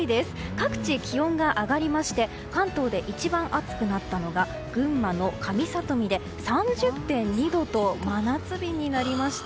各地気温が上がりまして関東で一番暑くなったのが群馬の上里見で３０．２度と真夏日になりました。